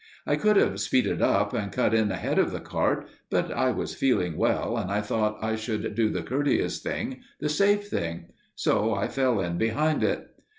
I could have speeded up and cut in ahead of the cart, but I was feeling well, and I thought I should do the courteous thing, the safe thing. So I fell in behind it.